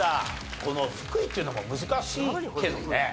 この福井っていうのも難しいけどね。